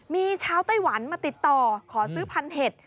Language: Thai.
มีชาวไต้หวันมาติดต่อขอซื้อพันธุ์เห็ด